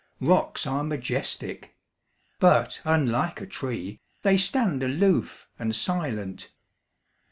Rocks are majestic; but, unlike a tree, They stand aloof, and silent.